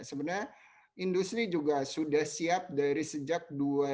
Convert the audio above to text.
sebenarnya industri juga sudah siap dari sejak dua ribu dua